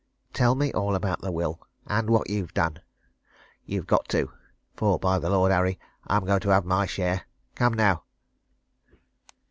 Tell me all about the will and what you've done. You've got to for, by the Lord Harry! I'm going to have my share. Come, now!"